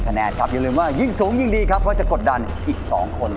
แนนครับอย่าลืมว่ายิ่งสูงยิ่งดีครับว่าจะกดดันอีก๒คน